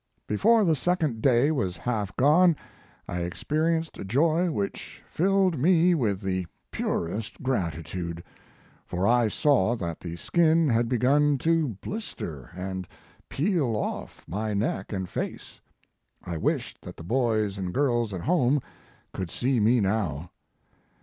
Before the second day was half gone, I experienced a joy which filled me with the purest gratitude; for I saw that the skin had begun to blister and peel off my neck and face. I wished that the boys and girls at home could see me now.